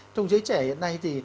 trong giới trẻ hiện nay thì